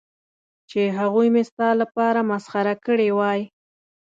چې هغوی مې ستا لپاره مسخره کړې وای.